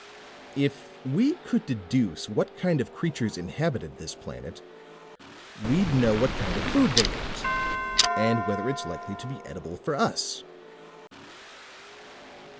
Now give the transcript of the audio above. "If we could deduce what kind of creatures inhabited this planet, we'd know what kind of food they ate, and whether it's likely to be edible for us."